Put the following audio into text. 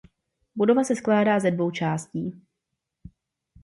Budova se skládá ze dvou částí.